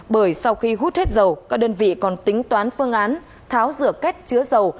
bởi sau khi hút hết dầu các đơn vị còn tính toán phương án tháo rửa kết chứa dầu